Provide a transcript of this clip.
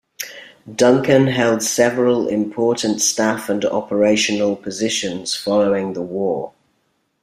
Duncan held several important staff and operational positions following the war.